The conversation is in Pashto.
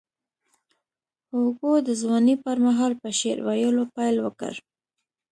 هوګو د ځوانۍ پر مهال په شعر ویلو پیل وکړ.